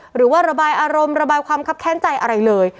หรือว่าระบายอารมณ์ระบายความคับแค้นใจอะไรเลย